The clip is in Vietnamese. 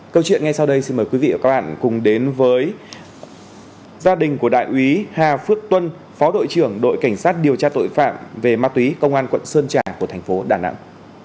câu chuyện ngay sau đây xin mời quý vị và các bạn cùng đến với gia đình của đại úy hà phước tuân phó đội trưởng đội cảnh sát điều tra tội phạm về ma túy công an quận sơn trà của thành phố đà nẵng